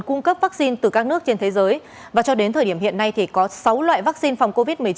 cung cấp vaccine từ các nước trên thế giới và cho đến thời điểm hiện nay thì có sáu loại vaccine phòng covid một mươi chín